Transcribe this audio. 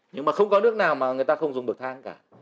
nhưng mà không có nước nào mà người ta không dùng được thang cả